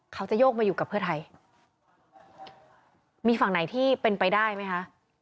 โยกมาอยู่กับเพื่อไทยมีฝั่งไหนที่เป็นไปได้ไหมคะ